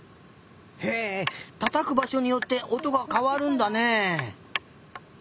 へえたたくばしょによっておとがかわるんだね。